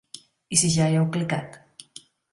I si ja hi heu clicat?